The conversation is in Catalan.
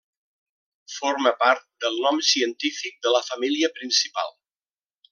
Forma part del nom científic de la família principal.